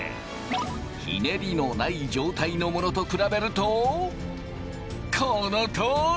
ひねりのない状態のものと比べるとこのとおり！